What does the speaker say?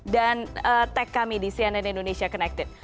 dan tag kami di cnn indonesia connected